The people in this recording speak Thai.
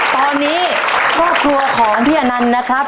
ตอนนี้ครอบครัวของพี่อนันต์นะครับ